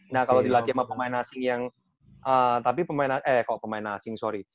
nah kalau dilatih sama pemain asing yang eh kalau pemain asing sorry